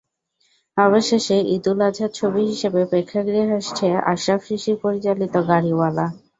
অবশেষে ঈদুল আজহার ছবি হিসেবে প্রেক্ষাগৃহে আসছে আশরাফ শিশির পরিচালিত গাড়িওয়ালা।